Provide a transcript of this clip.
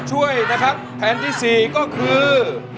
ช่วยนะครับแผ่นที่๔ก็คือ